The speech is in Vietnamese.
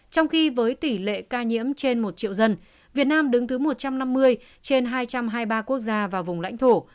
trong khi với tỷ lệ ca nhiễm trên một triệu dân việt nam đứng thứ một trăm năm mươi trên hai trăm hai mươi ba quốc gia và vùng lãnh thổ